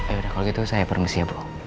yaudah kalau gitu saya permisi ya bu